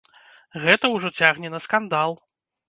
Гэта ўжо цягне на скандал.